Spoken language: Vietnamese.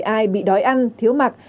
không để ai bị đói ăn thiếu mặt